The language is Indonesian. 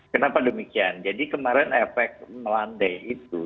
kenapa demikian jadi kemarin efek melandai itu